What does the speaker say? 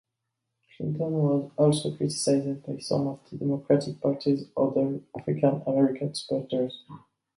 Clinton was also criticized by some of the Democratic Party's other African American supporters.